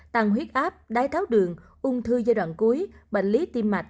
tăng huyết áp đái tháo đường ung thư giai đoạn cuối bệnh lý tim mạch